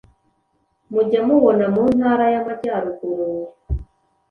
mujya mubona mu ntara y’amajyaruguru